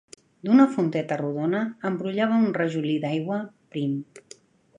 D'una fonteta rodona, en brollava un rajolí d'aigua, prim